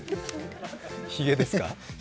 ひげですか。